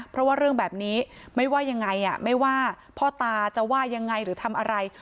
เพราะว่าเรื่องแบบนี้ไม่ว่ายังไงไม่ว่าพ่อตาจะว่ายังไงหรือทำอะไร